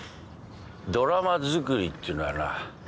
ドラマ作りっていうのはな